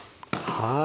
はい。